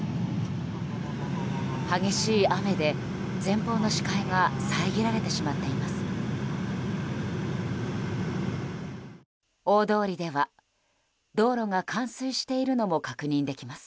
激しい雨で、前方の視界はさえぎられてしまっています。